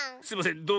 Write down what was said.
すいません。